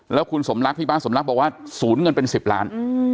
แล้วคุณสมรักษ์พี่ป๊าสมรักษ์บอกว่าสูญเงินเป็น๑๐ล้าน